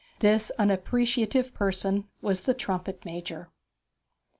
This unappreciative person was the trumpet major.